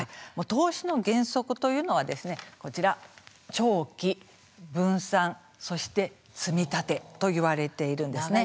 投資の原則というのはこちら長期、分散そして積み立てといわれているんですね。